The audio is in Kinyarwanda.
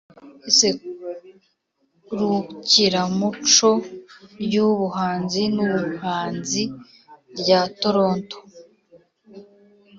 iserukiramuco ryubuhanzi nubuhanzi rya toronto,